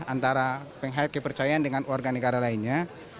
antara penghayat kepercayaan dengan warga negara lainnya